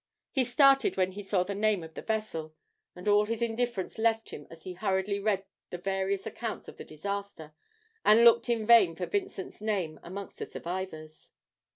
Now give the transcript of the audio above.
He started when he saw the name of the vessel, and all his indifference left him as he hurriedly read the various accounts of the disaster, and looked in vain for Vincent's name amongst the survivors.